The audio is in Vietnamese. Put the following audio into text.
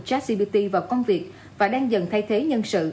gratgpt vào công việc và đang dần thay thế nhân sự